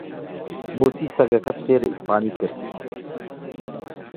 بۆچی سەگەکەت فێری ئیسپانی کرد؟